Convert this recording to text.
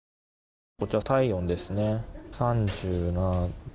こちら、体温ですね。